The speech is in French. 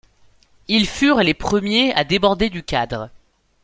Ils furent les premiers à déborder du cadre.